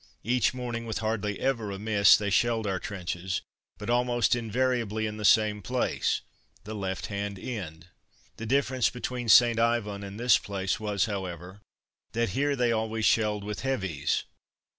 Each morning, with hardly ever a miss, they shelled our trenches, but almost invariably in the same place: the left hand end. The difference between St. Yvon and this place was, however, that here they always shelled with "heavies."